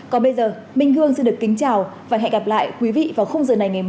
còn bây giờ minh hương xin được kính chào và hẹn gặp lại quý vị vào không giờ này ngày mai trên antv